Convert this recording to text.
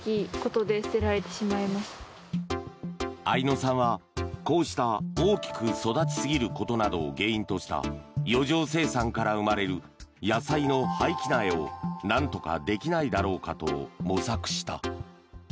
愛乃さんはこうした大きく育ちすぎることなどを原因とした余剰生産から生まれる野菜の廃棄苗をなんとかできないだろうかと模索した。